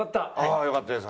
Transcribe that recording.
ああよかったです。